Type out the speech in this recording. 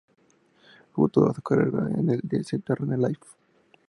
Jugó toda su carrera con el C. D. Tenerife.